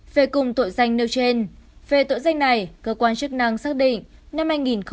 về cùng tội danh nêu trên về tội danh này cơ quan chức năng xác định